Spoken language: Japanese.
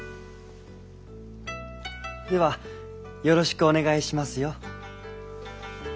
ではよろしくお願いしますよ。